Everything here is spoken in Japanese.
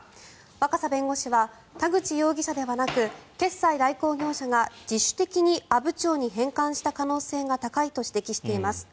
若狭弁護士は田口容疑者ではなく決済代行業者が自主的に阿武町に返還した可能性が高いとしています。